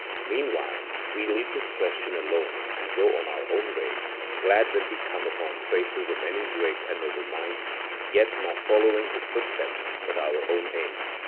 Meanwhile we leave this question alone and go on our own way, glad when we come upon traces of any great and noble mind, yet not following his footsteps but our own aim.